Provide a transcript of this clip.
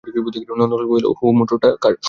নন্দলাল বলিল হুঁ, মোটরটা কার?